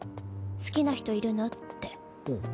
好きな人いるの？って。